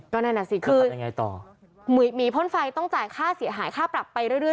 ก็แน่นอนสิคือมีพ่นไฟต้องจ่ายค่าเสียหายค่าปรับไปเรื่อย